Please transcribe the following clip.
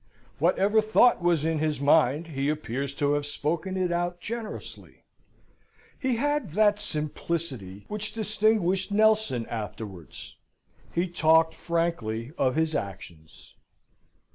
Whatever thought was in his mind, he appears to have spoken it out generously. He had that heroic simplicity which distinguished Nelson afterwards: he talked frankly of his actions.